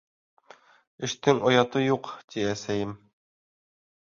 Эштең ояты юҡ, ти әсәйем.